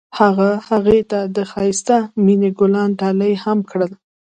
هغه هغې ته د ښایسته مینه ګلان ډالۍ هم کړل.